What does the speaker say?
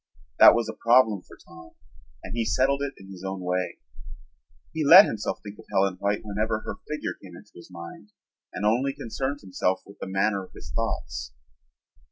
That was a problem for Tom and he settled it in his own way. He let himself think of Helen White whenever her figure came into his mind and only concerned himself with the manner of his thoughts.